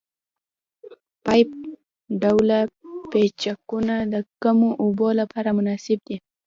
پایپ ډوله پلچکونه د کمو اوبو لپاره مناسب دي